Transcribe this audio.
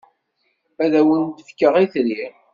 Ad awen-d-fkeɣ itri.